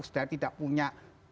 sudah tidak punya